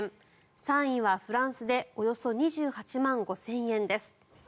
３位はフランスでおよそ２８万５０００円です。